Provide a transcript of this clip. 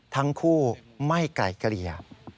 ทั้งคู่ไม่ไกลเกลี่ย